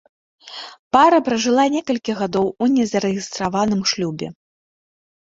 Пара пражыла некалькі гадоў у незарэгістраваным шлюбе.